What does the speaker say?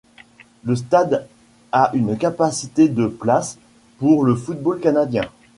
Le stade a une capacité de places pour le football canadien.